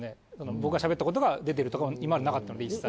僕がしゃべったことが出てるとかも今までなかったので一切。